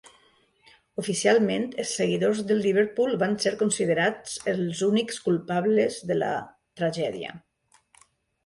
Oficialment els seguidors del Liverpool van ser considerats els únics culpables de la tragèdia.